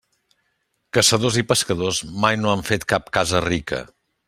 Caçadors i pescadors mai no han fet cap casa rica.